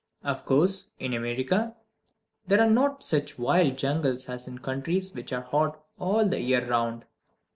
Of course, in America there are not such wild jungles as in countries which are hot all the year round.